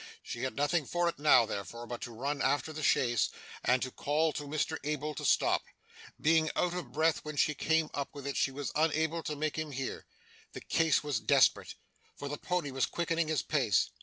She had nothing for it now, therefore, but to run after the chaise, and to call to Mr Abel to stop. Being out of breath when she came up with it, she was unable to make him hear. The case was desperate; for the pony was quickening his pace.